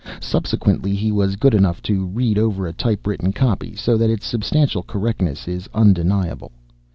Subsequently he was good enough to read over a type written copy, so that its substantial correctness is undeniable.